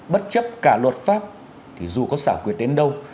bất chấp cả luật pháp thì dù có xả quyệt đến đâu